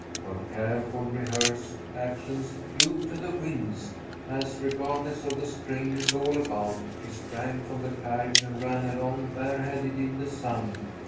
Her carefully rehearsed actions flew to the winds, as, regardless of the strangers all about, she sprang from the carriage and ran along bareheaded in the sun.